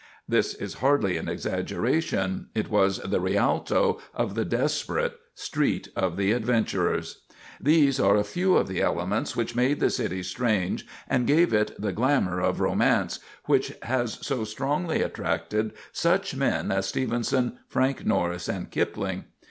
This is hardly an exaggeration, it was the Rialto of the desperate, Street of the Adventurers. These are a few of the elements which made the city strange and gave it the glamour of romance which has so strongly attracted such men as Stevenson, Frank Norris and Kipling.